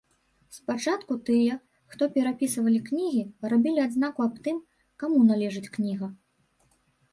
Спачатку тыя, хто перапісвалі кнігі, рабілі адзнаку аб тым, каму належыць кніга.